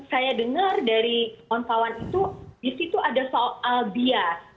saya dengar dari kawan kawan itu disitu ada soal bias